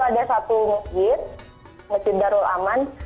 ada satu masjid masjid darul aman